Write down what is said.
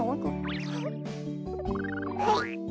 はい。